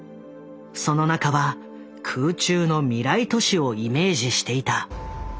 その中は空中の未来都市をイメージしていた。